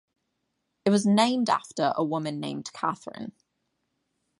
It was named after a woman named Kathryn.